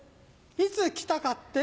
いつ着たかって？